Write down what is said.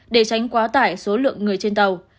để tránh quá tải số lượng người trên tàu